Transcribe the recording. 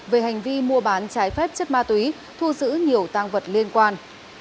về hành vi mua bán trái phép chất ma túy thu giữ nhiều tăng vật liên quan